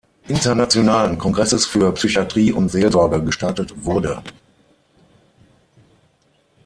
Internationalen Kongresses für Psychiatrie und Seelsorge gestartet wurde.